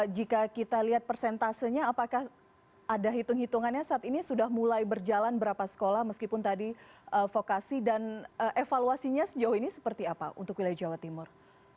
jika kita lihat persentasenya apakah ada hitung hitungannya saat ini sudah mulai berjalan berapa sekolah meskipun tadi vokasi dan evaluasinya sejauh ini seperti apa untuk wilayah jawa timur